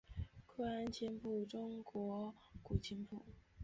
愧庵琴谱中国古琴谱。